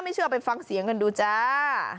เชื่อไปฟังเสียงกันดูจ้า